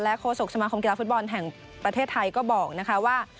โฆษกสมาคมกีฬาฟุตบอลแห่งประเทศไทยก็บอกนะคะว่า